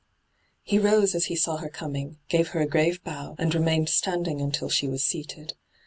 He rose as he saw her coming, gave her a grave bow, and remained standing until she was seated.